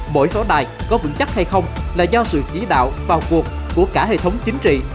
mỗi pháo đài có vững chắc hay không là do sự chỉ đạo vào cuộc của cả hệ thống chính trị